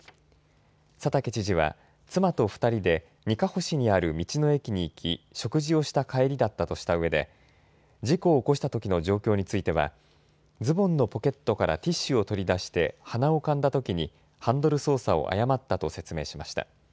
佐竹知事は妻と２人で、にかほ市にある道の駅に行き食事をした帰りだったとしたうえで事故を起こしたときの状況についてはズボンのポケットからティッシュを取り出して鼻をかんだときにハンドル操作を誤ったと説明しました。